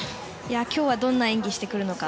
今日はどんな演技をしてくるか。